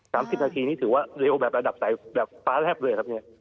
สิบนาทีนี่ถือว่าเร็วแบบระดับสายแบบฟ้าแลบเลยครับเนี่ย